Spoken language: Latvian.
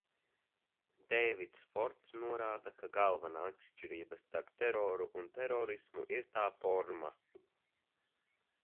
Deivids Forts norāda, ka galvenā atšķirība starp teroru un terorismu ir tā forma.